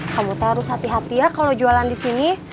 kamu harus hati hati ya kalau jualan di sini